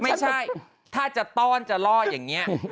ไม่ใช่ถ้าจะต้อนจะล่ออย่างนี้